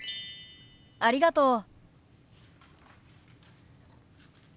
ありがとう。